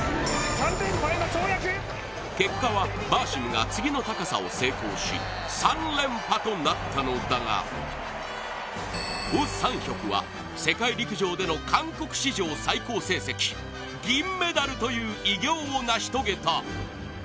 結果は、バーシムが次の高さを成功し３連覇となったのだがウ・サンヒョクは世界陸上での韓国史上最高成績銀メダルという偉業を成し遂げた。